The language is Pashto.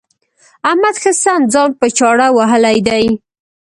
احمد ښه سم ځان په چاړه وهلی دی.